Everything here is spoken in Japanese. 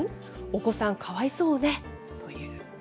お子さん、かわいそうねという。